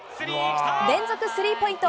連続スリーポイント。